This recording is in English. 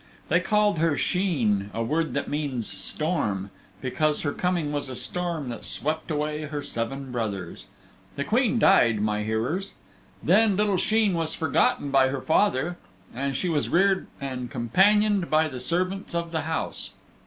They called her "Sheen," a word that means "Storm," because her coming was a storm that swept away her seven brothers. The Queen died, my hearers. Then little Sheen was forgotten by her father, and she was reared and companioned by the servants of the house.